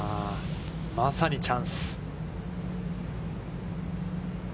まさにチャンス。